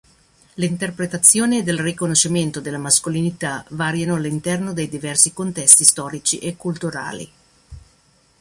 L'interpretazione ed il riconoscimento della mascolinità variano all'interno dei diversi contesti storici e culturali.